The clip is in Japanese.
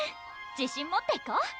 自信持っていこ！